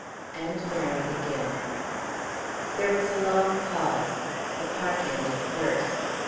"And married again." There was a long pause. The park ended first.